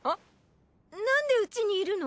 なんでうちにいるの？